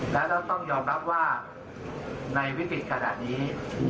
แล้วเราต้องยอมรับว่าในวิกฤตขนาดนี้